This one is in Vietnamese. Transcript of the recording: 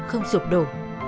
không sụp đổ